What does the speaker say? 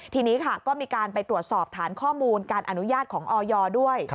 ทีนี้ค่ะก็มีการไปตรวจสอบฐานข้อมูลการอนุญาตของออยด้วย